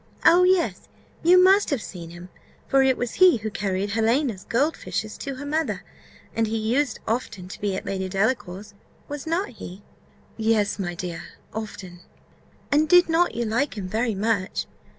Oh, yes, you must have seen him; for it was he who carried Helena's gold fishes to her mother, and he used often to be at Lady Delacour's was not he?" "Yes, my dear, often." "And did not you like him very much?"